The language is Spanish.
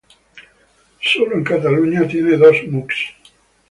Solo en Cataluña tienen dos mux.